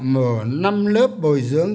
mở năm lớp bồi dưỡng